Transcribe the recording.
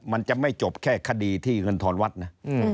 มันจะไม่จบแค่คดีที่เงินทอนวัดนะ